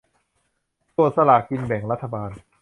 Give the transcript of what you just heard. ตรวจสลากกินแบ่งรัฐบาล